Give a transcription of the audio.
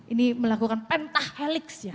ini melakukan pentahelix ya